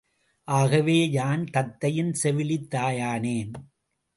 ஆகவே யான் தத்தையின் செவிலித் தாயானேன்.